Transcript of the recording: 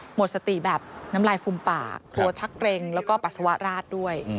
หมดสติแบบน้ำลายฟูมปากกลัวชักเกร็งแล้วก็ปัสสาวะราดด้วย